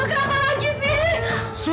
ya allah paul